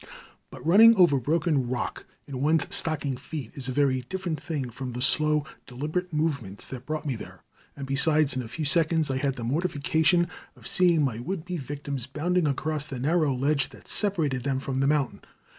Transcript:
But running over broken rock in one's stocking feet is a very different thing from the slow, deliberate movements that brought me there, and besides, in a few seconds I had the mortification of seeing my would be victims bounding across the narrow ledge that separated them from the mountain.